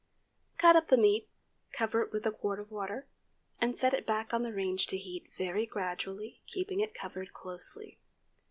Cut up the meat, cover it with a quart of water, and set it back on the range to heat very gradually, keeping it covered closely.